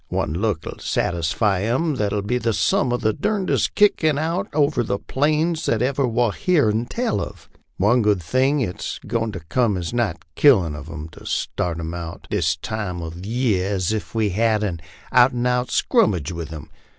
One look '11 satisfy 'em thar '11 be sum of the durndest kickin' out over these plains that ever war heern tell uv. One good thing, it's goin' to cum as nigh killin' uv 'em to start 'em out this time uv year as ef we hed an out an' out scrummage with 'em.